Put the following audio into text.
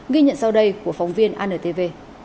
ghi nhận sau đây của phóng viên antv